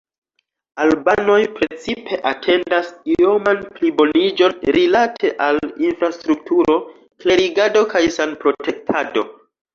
Albanoj precipe atendas ioman pliboniĝon rilate al infrastrukturo, klerigado kaj sanprotektado.